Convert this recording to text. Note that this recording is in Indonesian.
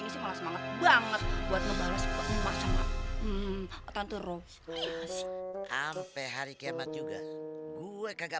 semangat banget buat ngebales masalah tentu rumput ya sampai hari kiamat juga gue kagak